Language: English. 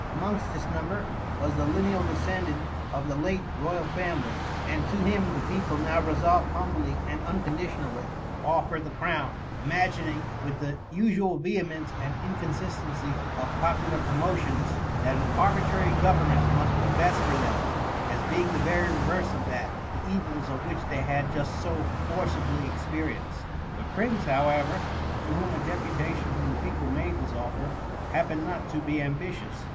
Amongst this number, was the lineal descen dant of the late royal family^ and to him the people now resolved humbly and uncouditiono aDj to dBet die ciown; imaginiiig, with the anal wlwiiwn f e and inoonsatency of popular coaniotkxis, tint an ailatraiy goyenunent must be best for tliem> as being the Tery reverse of dial, the evik dt which they had just so forci bly experienced. The prince however, to whom a deputation from the people made this offer, happened not to be ambitious.